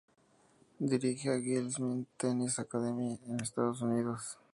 Dirige la Gildemeister Tennis Academy en Estados Unidos.